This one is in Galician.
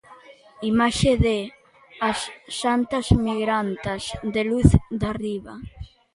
Imaxe de 'As Santas Migrantas', de Luz Darriba.